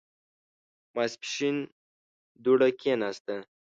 ماسپښين دوړه کېناسته.